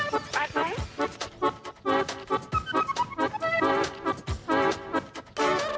ก็วงการมันเธอกันนะ